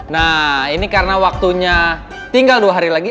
nah ini karena waktunya tinggal dua hari lagi